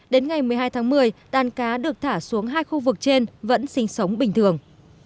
đến ngày một mươi hai tháng một mươi đàn cá được thả xuống hai khu vực trên vẫn sinh sống bình thường